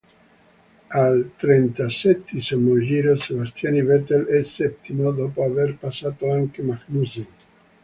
Al trentasettesimo giro Sebastian Vettel è settimo, dopo aver passato anche Magnussen.